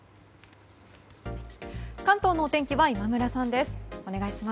関東のお天気は今村さんです。